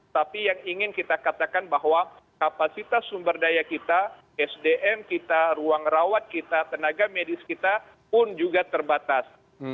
tapi yang ingin kita katakan bahwa kapasitas sumber daya kita sdm kita ruang rawat kita tenaga medis kita pun juga terbatas